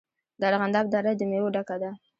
د ارغنداب دره د میوو ډکه ده.